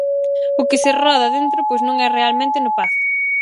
O que se roda dentro pois non é realmente no pazo.